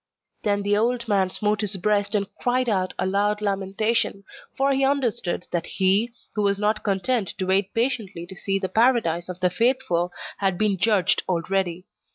Then the old man smote his breast, and cried out with a loud lamentation; for he understood that he, who was not content to wait patiently to see the Paradise of the faithful, had been judged already.